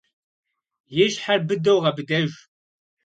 И щхьэр быдэу гъэбыдэж.